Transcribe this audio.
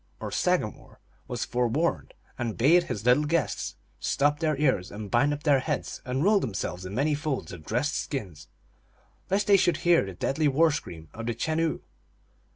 or sagamore, was forewarned, and bade his little guests stop their ears and bind up their heads, and roll themselves in many folds of dressed skins, lest they should hear the deadly war scream of the Chenoo.